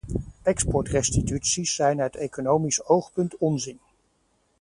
Exportrestituties zijn uit economisch oogpunt onzin.